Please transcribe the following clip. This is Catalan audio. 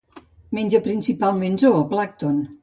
Menja principalment zooplàncton.